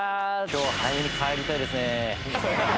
今日は早めに帰りたいですね。